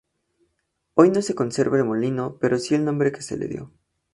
Hoy no se conserva el molino pero sí el nombre que se le dió.